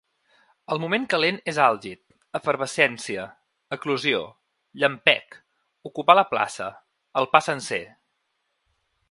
El moment calent és àlgid, efervescència, eclosió, llampec, ocupar la plaça, el pa sencer.